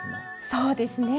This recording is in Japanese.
そうですね。